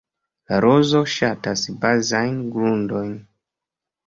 La rozo ŝatas bazajn grundojn.